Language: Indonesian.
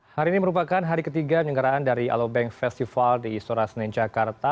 hari ini merupakan hari ketiga penyenggaraan dari alubeng festival di sorasne jakarta